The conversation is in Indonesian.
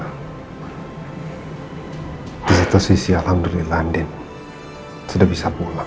hai di satu sisi alhamdulillah andien sudah bisa pulang